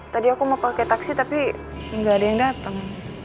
tadi aku mau pake taksi tapi gak ada yang dateng